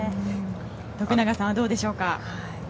徳永さんはどうでしょうか。